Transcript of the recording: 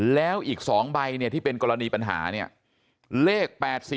แล้วอีก๒ใบเนี่ยที่เป็นกรณีปัญหาเนี่ยเลข๘๔